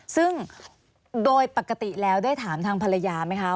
ซึ่งโดยปกติแล้วได้ถามทางภรรยาไหมคะ